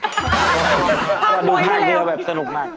ภาคไบ้ก็เร็วเหรอดูสนุกมาก